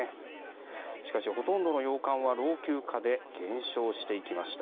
しかし、ほとんどの洋館は老朽化で減少していきました。